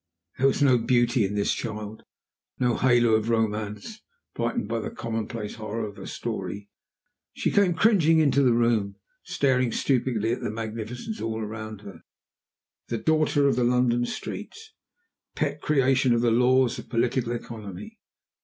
There was no beauty in this child; no halo of romance brightened the commonplace horror of her story. She came cringing into the room, staring stupidly at the magnificence all round her the daughter of the London streets! the pet creation of the laws of political economy!